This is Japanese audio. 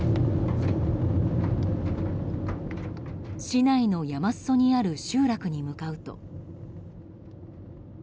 市内の山裾にある集落に向かうと。